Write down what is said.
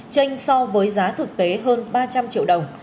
tranh so với giá thực tế hơn ba trăm linh triệu đồng